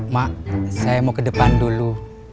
mak saya mau ke depan dulu